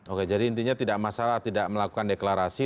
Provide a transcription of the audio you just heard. oke jadi intinya tidak masalah tidak melakukan deklarasi